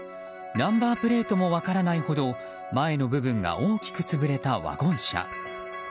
ナンバープレートも分からないほど前の部分が大きく潰れたワゴン車。